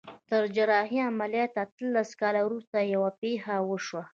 تر جراحي عمليات اتلس کاله وروسته يوه پېښه وشوه.